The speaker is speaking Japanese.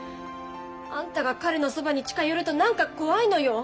あんたが彼のそばに近寄ると何か怖いのよ。